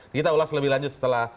kita ulas lebih lanjut setelah